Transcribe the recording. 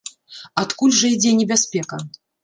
Адкуль жа ідзе небяспека?